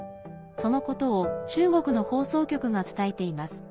そのことを中国の放送局が伝えています。